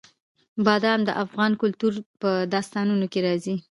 بادام د افغان کلتور په داستانونو کې راځي.